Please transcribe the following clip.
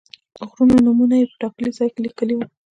د غرونو نومونه یې په ټاکلي ځای کې ولیکئ.